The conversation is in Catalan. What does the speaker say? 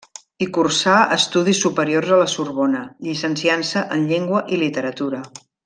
I cursar estudis superiors a la Sorbona, llicenciant-se en Llengua i Literatura.